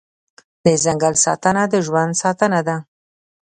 د ځنګل ساتنه د ژوند ساتنه ده